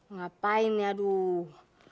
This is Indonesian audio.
ngapain ya aduh